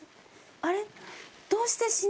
あれ？